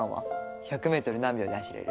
１００ｍ何秒で走れる？